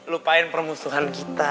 lupain permusuhan kita